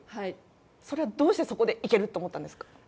それはどうしてそこでいけると思ったんですか？